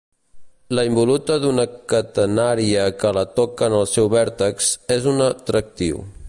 La involuta d'una catenària que la toca en el seu vèrtex és una tractriu.